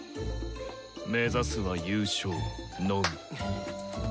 目指すは優勝のみ。